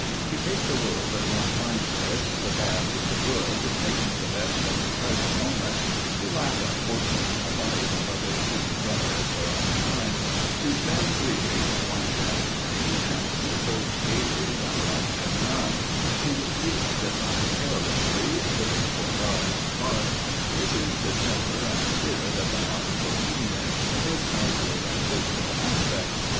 To take the world as one finds it, the bad with the good, making the best of the present moment to laugh at Fortune alike whether she be generous or unkind to spend freely when one has money, and to hope gaily when one has none to fleet the time carelessly, living for love and art this is the temper and spirit of the modern Bohemian in his outward and visible aspect.